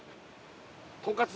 とんかつ